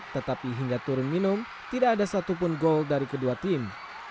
tetapi hingga turun minum tidak ada satupun gol dari kedua tim